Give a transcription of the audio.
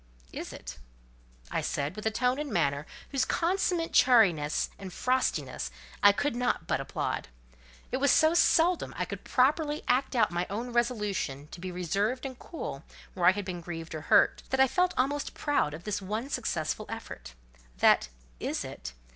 "Is it?" I said, with a tone and manner whose consummate chariness and frostiness I could not but applaud. It was so seldom I could properly act out my own resolution to be reserved and cool where I had been grieved or hurt, that I felt almost proud of this one successful effort. That "Is it?"